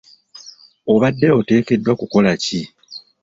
Obadde oteekeddwa kukola ki?